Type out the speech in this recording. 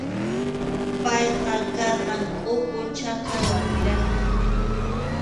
Payqa karqan kʼuku chaka warmiraqmi.